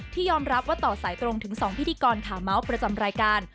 ยอมรับว่าต่อสายตรงถึง๒พิธีกรขาเมาส์ประจำรายการ